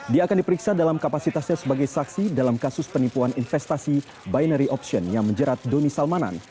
dia akan diperiksa dalam kapasitasnya sebagai saksi dalam kasus penipuan investasi binary option yang menjerat doni salmanan